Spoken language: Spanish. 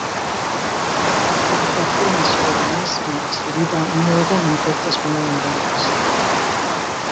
Las publicaciones sobre la misma y su vida no eran entonces muy abundantes.